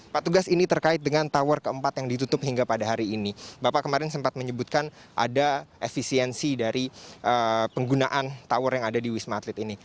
pak tugas ini terkait dengan tower keempat yang ditutup hingga pada hari ini bapak kemarin sempat menyebutkan ada efisiensi dari penggunaan tower yang ada di wisma atlet ini